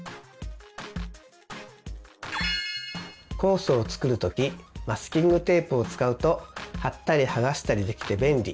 コースを作る時マスキングテープを使うと貼ったり剥がしたりできて便利。